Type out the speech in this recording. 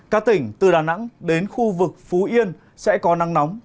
các tỉnh từ đà nẵng đến khu vực phú yên sẽ có nắng nóng